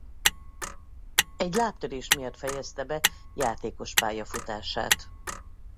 Egy lábtörés miatt fejezte be játékos pályafutását.